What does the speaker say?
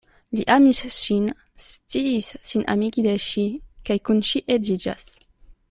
Li amis ŝin, sciis sin amigi de ŝi, kaj kun ŝi edziĝas.